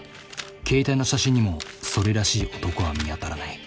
携帯の写真にもそれらしい男は見当たらない。